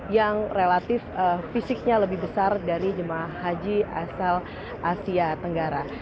yang relatif fisiknya lebih besar dari jemaah haji asal asia tenggara